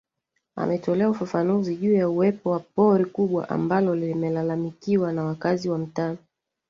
Ametolea ufafanuzi juu ya uwepo wa pori kubwa ambalo limelalamikiwa na wakazi wa mtaa